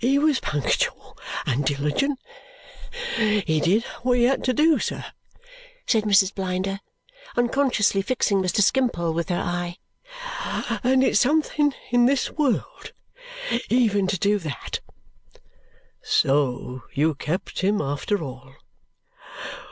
He was punctual and diligent; he did what he had to do, sir," said Mrs. Blinder, unconsciously fixing Mr. Skimpole with her eye, "and it's something in this world even to do that." "So you kept him after all?"